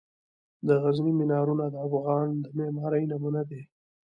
د غزني مینارونه د افغان د معمارۍ نمونه دي.